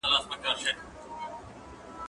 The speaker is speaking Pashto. خواړه ورکړه؟!